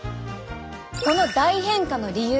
この大変化の理由。